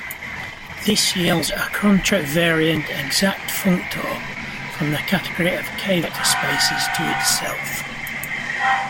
This yields a contravariant exact functor from the category of "k"-vector spaces to itself.